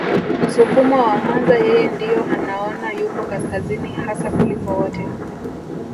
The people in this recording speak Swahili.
Msukuma wa Mwanza yeye ndio anaona yupo kaskazini hasa kuliko wote